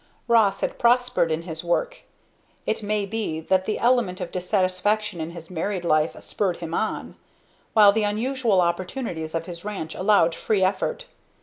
Ross had prospered in his work. It may be that the element of dissatisfaction in his married life spurred him on, while the unusual opportunities of his ranch allowed free effort.